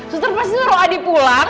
suster pasti suruh adi pulang